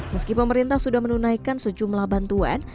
meski pemerintah sudah menunaikan sejumlah bantuan